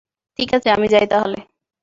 ঠিক আছে, আমি যাই তাহলে।